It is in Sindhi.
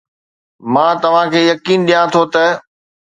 مان توهان کي يقين ڏيان ٿو ته